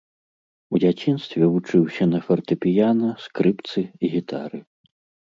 У дзяцінстве вучыўся на фартэпіяна, скрыпцы, гітары.